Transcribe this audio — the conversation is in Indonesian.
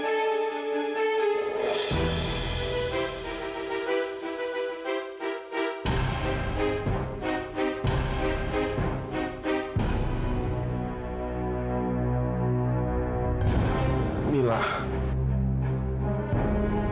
selamat pagi kak taufan